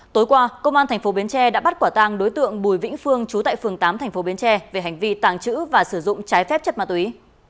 tối qua công an tp bến tre đã bắt quả tàng đối tượng bùi vĩnh phương trú tại phường tám tp bến tre về hành vi tàng trữ và sử dụng trái phép chất ma túy